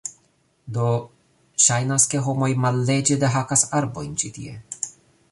Do, ŝajnas ke homoj malleĝe dehakas arbojn ĉi tie.